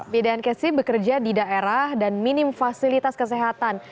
bidan kesi bekerja di daerah dan minim fasilitas kesehatan